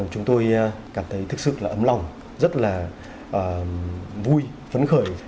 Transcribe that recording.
chúng tôi cảm thấy thực sự là ấm lòng rất là vui phấn khởi